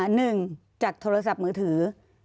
หนึ่งจากโทรศัพท์มือถือ